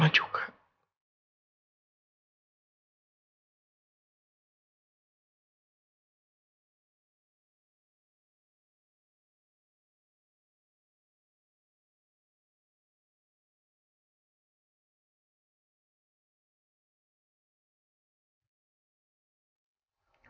papa juga gak bisa tidur nak